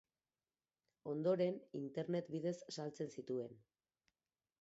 Ondoren, internet bidez saltzen zituen.